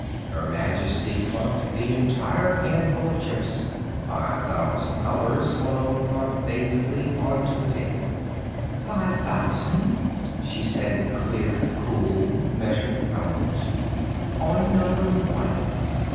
Her Majesty plunked the entire handful of chips five thousand dollars! Malone thought dazedly onto the table. "Five thousand," she said in clear, cool measured tones, "on Number One."